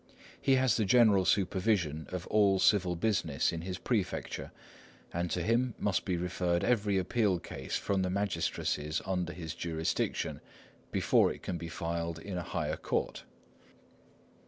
He has the general supervision of all civil business in his prefecture, and to him must be referred every appeal case from the magistracies under his jurisdiction, before it can be filed in a higher court.